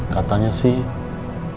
katanya sih ini pernikahan ya